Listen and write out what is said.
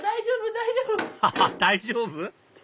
大丈夫？